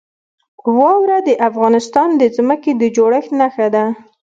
واوره د افغانستان د ځمکې د جوړښت نښه ده.